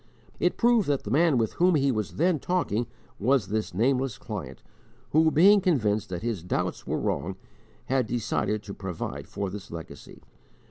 It proved that the man with whom he was then talking was this nameless client, who, being convinced that his doubts were wrong, had decided to provide for this legacy.